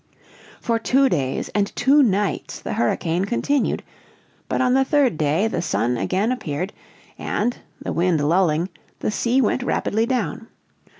For two days and two nights the hurricane continued, but on the third day the sun again appeared, and, the wind lulling, the sea went rapidly down.